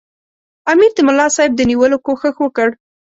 امیر د ملاصاحب د نیولو کوښښ وکړ.